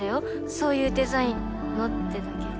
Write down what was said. そういうデザインのってだけで。